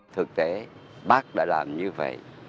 thực tế bác đã làm như vậy